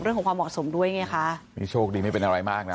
เรื่องของความเหมาะสมด้วยไงคะนี่โชคดีไม่เป็นอะไรมากนะ